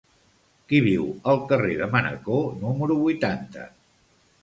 Qui viu al carrer de Manacor número vuitanta?